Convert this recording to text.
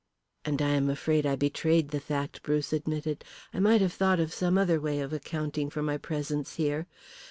"And I am afraid I betrayed the fact," Bruce admitted. "I might have thought of some other way of accounting for my presence here.